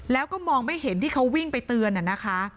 แล้วก็มองไม่เห็นที่เขาวิ่งไปเตือนนะคะ